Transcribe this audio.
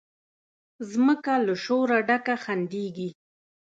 مځکه له شوره ډکه خندیږي